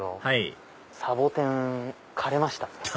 はいサボテン枯れました。